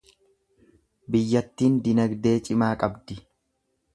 Biyyattiin dinagdee cimaa qabdi.